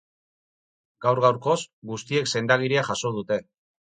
Gaur gaurkoz, guztiek sendagiria jaso dute.